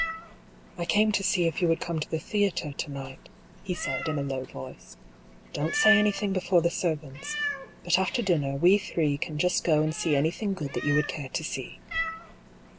" I came to see if you would come to the theatre, to night," he said, in a low voice. " Don't say any thing before the servants — but after dinner, we three can just go and see anything good that you would care to see."